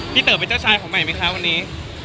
เต๋อเป็นเจ้าชายของใหม่ไหมคะวันนี้